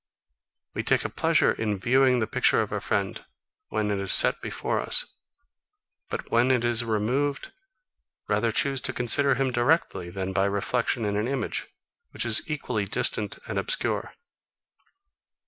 We take a pleasure in viewing the picture of a friend, when it is set before us; but when it is removed, rather choose to consider him directly than by reflection in an image, which is equally distant and obscure.